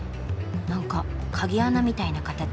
なんか鍵穴みたいな形。